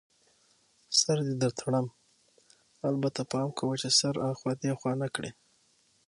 سر دې در تړم، البته پام کوه چي سر اخوا دیخوا نه کړې.